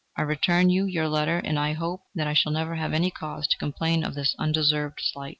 I return you your letter, and I hope that I shall never have any cause to complain of this undeserved slight."